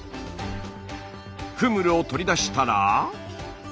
フムルを取り出したら。